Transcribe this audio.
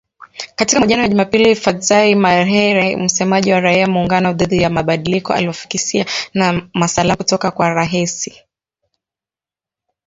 Katika mahojiano ya Jumapili, Fadzayi Mahere, msemaji wa raia muungano dhidi ya mabadiliko aliwafikisia ma salamu kutoka kwa rahisi